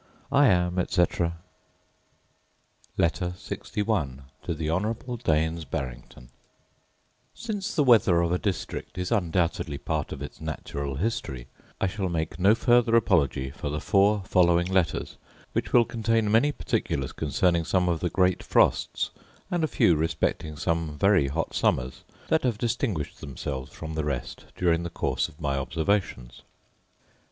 I am, etc. Letter LXI To The Honourable Daines Barrington Since the weather of a district is undoubtedly part of its natural history, I shall make no further apology for the four following letters, which will contain many particulars concerning some of the great frosts and a few respecting some very hot summers, that have distinguished themselves from the rest during the course of my observations.